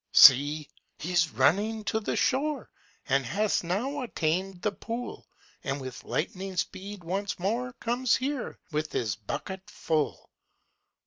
See! he's running to the shore, And has now attain'd the pool, And with lightning speed once more Comes here, with his bucket full!